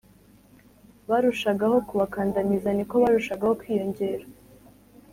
barushagaho kubakandamiza ni ko barushagaho kwiyongera